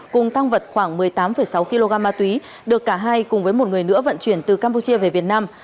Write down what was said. cùng tăng vật khoảng một mươi tám sáu kg ma túy được cả hai cùng với một người nữa vận chuyển từ campuchia về việt nam